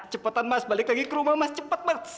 cepetan mas balik lagi ke rumah mas cepet mas